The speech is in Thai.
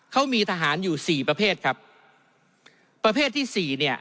เขามีทหารอยู่สี่ประเภทครับประเภทที่สี่เนี่ย